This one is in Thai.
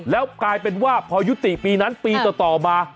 แล้วกลายเป็นว่าพอยุติปีนั้นปีต่อมา